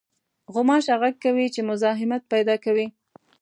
غوماشه غږ کوي چې مزاحمت پېدا کوي.